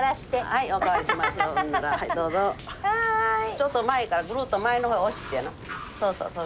ちょっと前からぐるっと前の方へ押してやなそうそう。